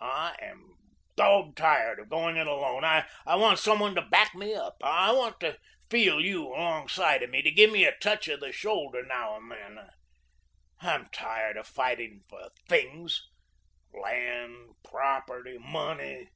I am dog tired of going it alone. I want some one to back me up. I want to feel you alongside of me, to give me a touch of the shoulder now and then. I'm tired of fighting for THINGS land, property, money.